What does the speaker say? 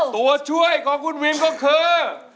ตัวช่วยของคุณวิมก็คือ